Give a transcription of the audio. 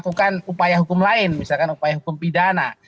melakukan upaya hukum lain misalkan upaya hukum pidana